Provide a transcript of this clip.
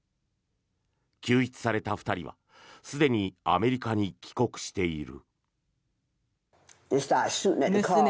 救出された２人はすでにアメリカに帰国している。